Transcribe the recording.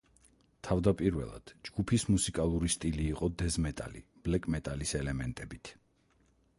თავდაპირველად, ჯგუფის მუსიკალური სტილი იყო დეზ მეტალი ბლეკ მეტალის ელემენტებით.